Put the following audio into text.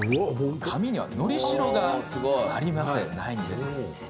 紙には、のりしろがありません。